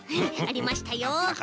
ありましたよ。